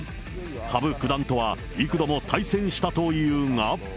羽生九段とは幾度も対戦したというが。